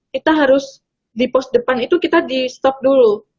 kita harus di pos depan itu kita di stop dulu